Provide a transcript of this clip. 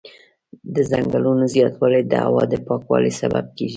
د ځنګلونو زیاتوالی د هوا د پاکوالي سبب کېږي.